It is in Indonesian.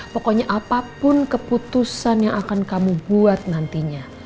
pokoknya apapun keputusan yang akan kamu buat nantinya